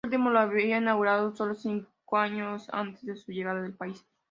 Este último lo había inaugurado sólo cinco años antes, a su llegada al país.